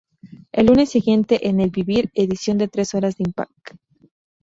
El lunes siguiente en el 'vivir' edición de tres horas de 'Impact!